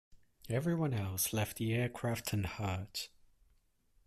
Everyone else left the aircraft unhurt.